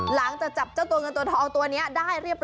หลังจากจับเจ้าตัวเงินตัวทองตัวนี้ได้เรียบร